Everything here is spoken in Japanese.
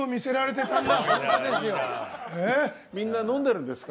みんな飲んでるんですか？